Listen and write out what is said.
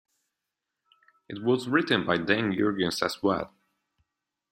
It was written by Dan Jurgens as well.